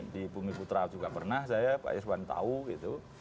di bumi putra juga pernah saya pak irwan tahu gitu